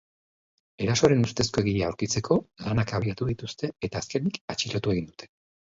Erasoaren ustezko egilea aurkitzeko lanak abiatu dituzte eta azkenik, atxilotu egin dute.